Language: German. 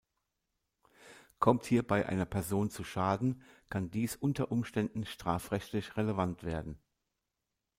Kommt hierbei eine Person zu Schaden, kann dies unter Umständen strafrechtlich relevant werden.